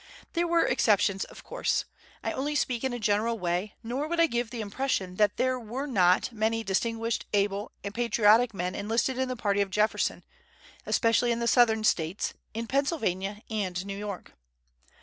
There were exceptions, of course. I only speak in a general way; nor would I give the impression that there were not many distinguished, able, and patriotic men enlisted in the party of Jefferson, especially in the Southern States, in Pennsylvania, and New York.